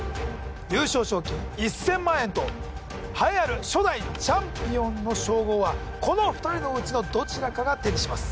優勝賞金１０００万円と栄えある初代チャンピオンの称号はこの２人のうちのどちらかが手にします